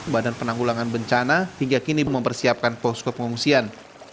badan penanggulangan bencana hingga kini mempersiapkan posko pengungsian